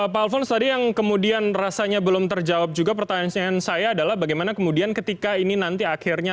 pak alfons tadi yang kemudian rasanya belum terjawab juga pertanyaan pertanyaan saya adalah bagaimana kemudian ketika ini nanti akhirnya